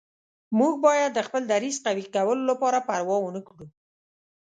موږ باید د خپل دریځ قوي کولو لپاره پروا ونه کړو.